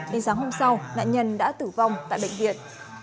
đến sáng hôm sau nạn nhân đã tử vong tại bệnh viện